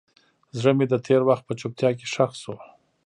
زړه مې د تېر وخت په چوپتیا کې ښخ شو.